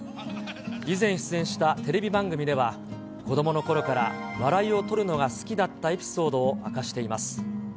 以前出演したテレビ番組では、子どものころから笑いを取るのが好きだったエピソードを明かしています。